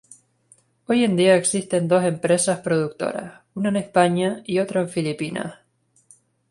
Hoy en día existen dos empresas productoras, una en España y otra en Filipinas.